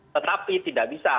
tetapi tidak bisa